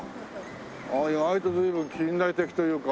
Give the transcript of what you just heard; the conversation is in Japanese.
意外と随分近代的というか。